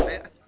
gak taunya duh